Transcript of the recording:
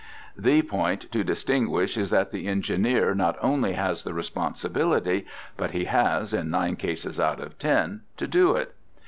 The point to distinguish is that the engineer not only has the responsibility, but he has, in nine cases out of ten, to do it.